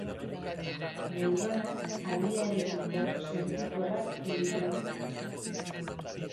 Neuronak argiarekiko sentikorrak egiten dituzte.